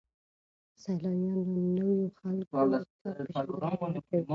سیلانیان له نویو خلکو سره پیژندګلوي کوي.